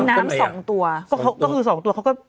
น้ำ๒ตัว